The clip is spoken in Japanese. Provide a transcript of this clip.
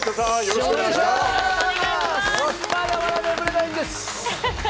よろしくお願いします。